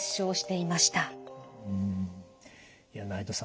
いや内藤さん